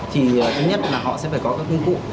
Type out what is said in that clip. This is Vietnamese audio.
thì thứ nhất là họ sẽ phải có các công cụ